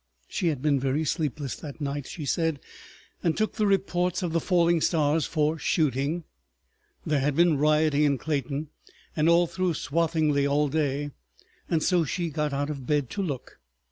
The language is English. She had been very sleepless that night, she said, and took the reports of the falling stars for shooting; there had been rioting in Clayton and all through Swathinglea all day, and so she got out of bed to look.